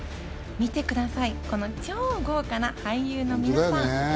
見てください、この超豪華な俳優の皆さん！